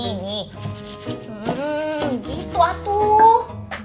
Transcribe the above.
hmm gitu atuh